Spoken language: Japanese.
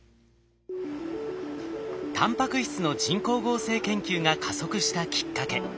タンパク質の人工合成研究が加速したきっかけ。